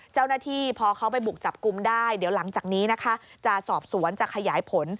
เจ้าหน้าที่พอเขาไปบุกจับกลุ่มได้เดี๋ยวหลังจากนี้นะคะจะสอบสวนจะขยายผล